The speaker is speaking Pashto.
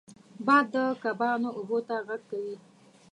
باد د کبانو اوبو ته غږ کوي